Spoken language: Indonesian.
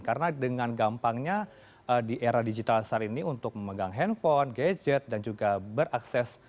karena dengan gampangnya di era digital saat ini untuk memegang handphone gadget dan juga berakses